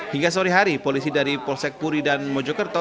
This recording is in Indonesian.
hingga sore hari polisi dari polsek puri dan mojokerto